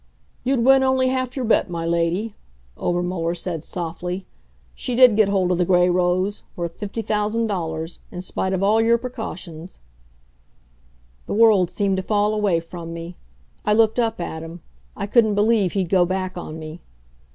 "You'd win only half your bet, my Lady," Obermuller said softly. "She did get hold of the Gray rose, worth fifty thousand dollars, in spite of all your precautions " The world seemed to fall away from me. I looked up at him. I couldn't believe he'd go back on me.